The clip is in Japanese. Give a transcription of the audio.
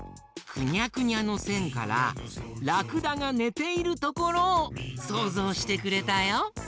くにゃくにゃのせんからラクダがねているところをそうぞうしてくれたよ！